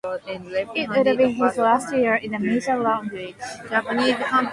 It would be his last year in the major leagues.